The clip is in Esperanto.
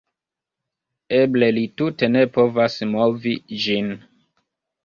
Eble li tute ne povas movi ĝin